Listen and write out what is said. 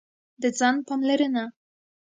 د ځان پاملرنه: